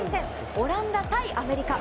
オランダ対アメリカ。